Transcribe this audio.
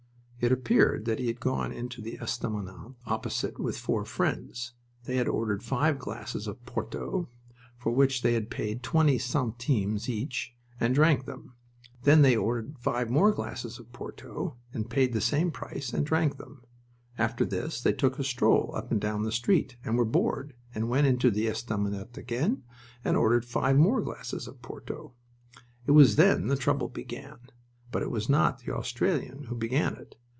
It appeared that he had gone into the estaminet opposite with four friends. They had ordered five glasses of porto, for which they had paid twenty centimes each, and drank them. They then ordered five more glasses of porto and paid the same price, and drank them. After this they took a stroll up and down the street, and were bored, and went into the estaminet again, and ordered five more glasses of porto. It was then the trouble began. But it was not the Australian who began it.